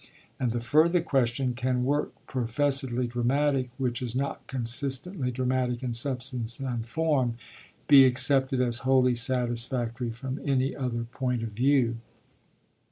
and the further question: can work professedly dramatic which is not consistently dramatic in substance and form be accepted as wholly satisfactory from any other point of view?